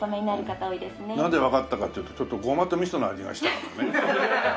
なんでわかったかっていうとちょっとごまと味噌の味がしたからね。